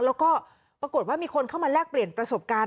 แล้วก็ปรากฏว่ามีคนเข้ามาแลกเปลี่ยนประสบการณ์